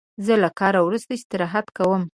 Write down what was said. زه له کاره وروسته استراحت کوم.